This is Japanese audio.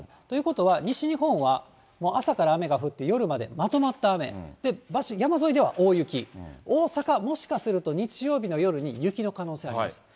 ということは西日本は朝から雨が降って、夜までまとまった雨、で、山沿いでは大雪、大阪、もしかすると日曜日の夜に雪の可能性があります。